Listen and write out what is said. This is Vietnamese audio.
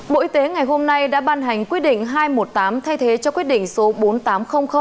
bộ y tế ngày hôm nay đã ban hành quyết định hai trăm một mươi tám thay thế cho quyết định số bốn nghìn tám trăm linh